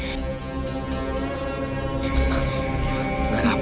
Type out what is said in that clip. tidak ada apa apa